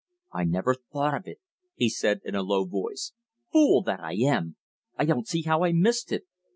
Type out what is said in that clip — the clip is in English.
"I never thought of it!" he said in a low voice. "Fool that I am! I don't see how I missed it.